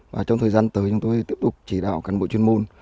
và trong thời gian tới chúng tôi sẽ tiếp tục chỉ đạo cân bộ chuyên môn